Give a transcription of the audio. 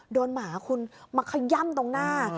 หมาคุณมาขย่ำตรงหน้า